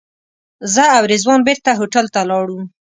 زه او رضوان بېرته هوټل ته لاړو.